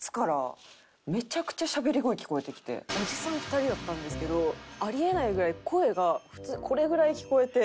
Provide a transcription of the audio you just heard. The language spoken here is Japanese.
おじさん２人だったんですけどあり得ないぐらい声がこれぐらい聞こえて。